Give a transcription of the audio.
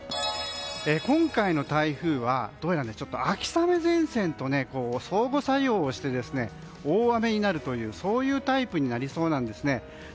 今回の台風はどうやら秋雨前線と相互作用して大雨になるというタイプになりそうなんですね。